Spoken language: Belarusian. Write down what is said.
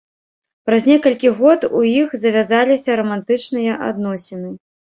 Праз некалькі год у іх завязаліся рамантычныя адносіны.